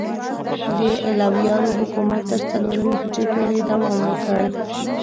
د علویانو حکومت تر څلورمې هجري پیړۍ دوام وکړ.